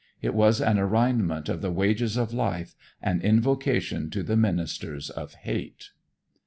It was an arraignment of the wages of life, an invocation to the ministers of hate.